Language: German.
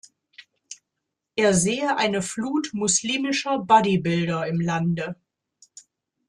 Er sehe eine „Flut muslimischer Bodybuilder“ im Lande.